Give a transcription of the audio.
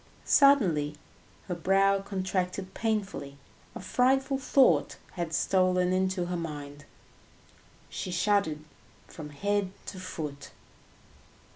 Suddenly her brow contracted painfully, a frightful thought had stolen into her mind, she shuddered from head to foot.